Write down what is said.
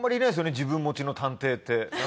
自分持ちの探偵って。